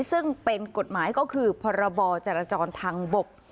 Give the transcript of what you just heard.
ซึ่งเป็นกฎหมายก็คือพรบจรจรทางบก